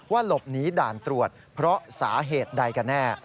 หลบหนีด่านตรวจเพราะสาเหตุใดกันแน่